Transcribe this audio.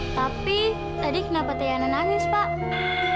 tapi tadi kenapa tayangan nangis pak